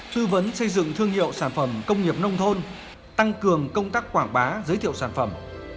tư vấn xây dựng thương hiệu sản phẩm công nghiệp nông thôn tăng cường công tác quảng bá giới thiệu sản phẩm